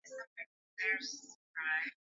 Mahali pazuri ni pale ambapo pametulia